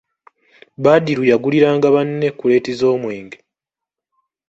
Badru yaguliranga banne kuleeti z'omwenge!